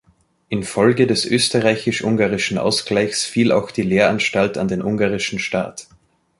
Infolge des Österreichisch-Ungarischen Ausgleichs fiel auch die Lehranstalt an den ungarischen Staat.